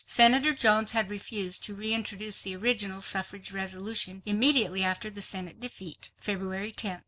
Senator Jones had refused to reintroduce the original suffrage resolution immediately after the Senate defeat, February 10th.